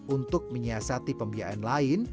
untuk menyiasati pembiayaan lain